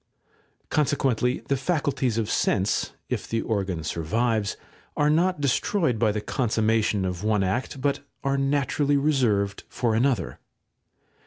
Consequently the faculties of sense, if the organ survives, are not destroyed by the consummation of one act, but are naturally reserved for another.